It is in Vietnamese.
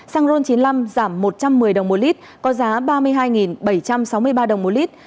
xăng ron chín mươi năm giảm một trăm một mươi đồng một lít có giá ba mươi hai bảy trăm sáu mươi ba đồng một lít